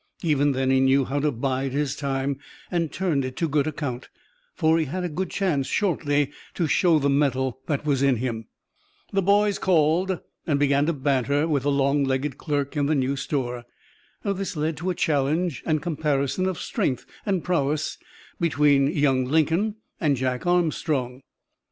Even then "he knew how to bide his time," and turned it to good account, for he had a good chance, shortly to show the metal that was in him. "The Boys" called and began to banter with the long legged clerk in the new store. This led to a challenge and comparison of strength and prowess between young Lincoln and Jack Armstrong.